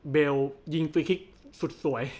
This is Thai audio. เบลยิงฟรีคลิกสุดสวย